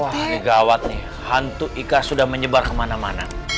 wah igawat nih hantu ika sudah menyebar kemana mana